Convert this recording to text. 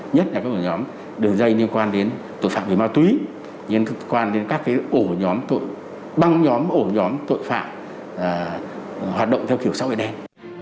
nhất là các ổ nhóm đường dây liên quan đến tội phạm về ma túy liên quan đến các cái ổ nhóm tội băng nhóm ổ nhóm tội phạm hoạt động theo kiểu sâu ế đen